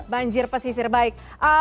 banjir pesisir baik